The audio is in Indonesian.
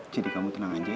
jadi kamu tenang aja ya